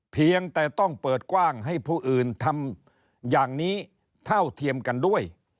เพียงแต่ต้องเปิดกว้างให้ผู้อื่นทำอย่างนี้เท่าเทียมกันด้วย